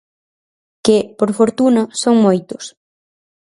Que, por fortuna, son moitos.